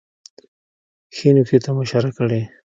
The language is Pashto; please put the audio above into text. ښې نکتې ته مو اشاره کړې